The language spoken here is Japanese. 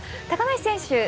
高梨選手